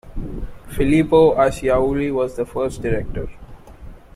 Filippo Acciaiuoli was the first director.